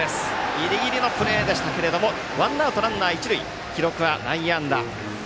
ギリギリのプレーでしたけどもワンアウト、ランナー、一塁記録は内野安打。